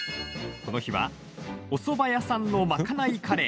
この日はおそば屋さんのまかないカレー。